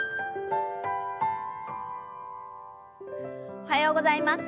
おはようございます。